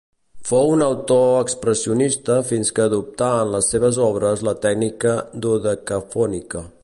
Fou un autor expressionista fins que adoptà en les seves obres la tècnica dodecafònica.